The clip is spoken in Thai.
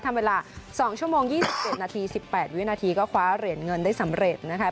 ทำเวลา๒ชั่วโมง๒๗นาที๑๘วินาทีก็คว้าเหรียญเงินได้สำเร็จนะคะ